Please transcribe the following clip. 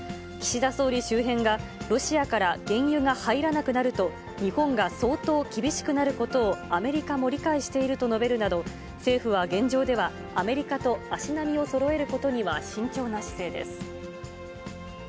岸田総理周辺が、ロシアから原油が入らなくなると、日本が相当厳しくなることをアメリカも理解していると述べるなど、政府は現状では、アメリカと足並みをそろえることには慎重な姿勢